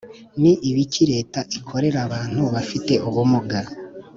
Ni ibiki Leta ikorera abantu bafite ubumuga